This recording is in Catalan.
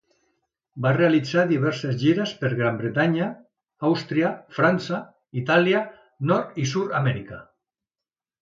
Va realitzar diverses gires per Gran Bretanya, Àustria, França, Itàlia, Nord i Sud-amèrica.